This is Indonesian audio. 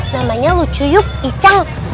namanya lucu yub icang